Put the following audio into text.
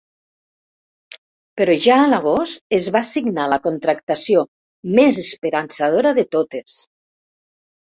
Però, ja a l'agost, es va signar la contractació més esperançadora de totes.